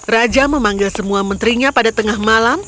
raja memanggil semua menterinya pada tengah malam